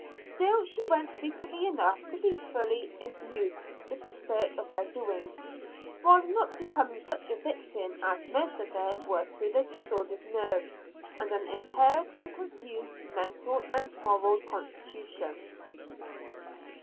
Still she went frequently enough to be fully imbued with the spirit of their doings, while not becoming such a victim as most of them were to disordered nerves, and an impaired and confused mental and moral constitution.